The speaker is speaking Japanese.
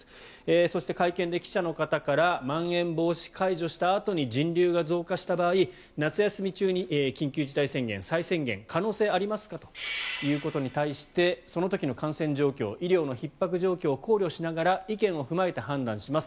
そして、会見で記者の方からまん延防止を解除したあとに人流が増加した場合、夏休み中に緊急事態宣言再宣言の可能性ありますかということに対してその時の感染状況医療のひっ迫状況を考慮しながら意見を踏まえて判断します